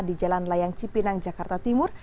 di jalan layang cipinang jakarta timur